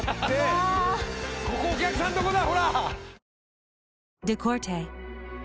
ここお客さんとこだ。